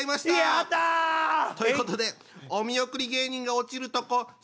やった！ということでお見送り芸人が落ちるとこ好き？